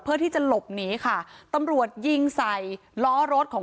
เพื่อที่จะหลบหนีค่ะตำรวจยิงใส่ล้อรถของ